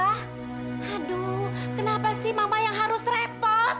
aduh kenapa sih mama yang harus repot